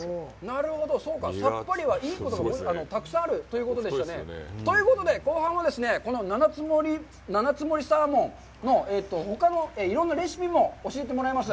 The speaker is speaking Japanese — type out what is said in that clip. なるほど、そうか、さっぱりはいいことがたくさんあるということでしたね。ということで、後半はですね、この七ツ森サーモンのほかの、いろんなレシピも教えてもらいます。